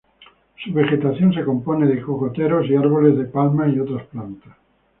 Su vegetación se compone de cocoteros y árboles de palma y otras plantas.